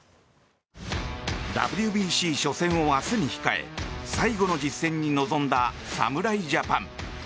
ＷＢＣ初戦を明日に控え最後の実戦に臨んだ侍ジャパン。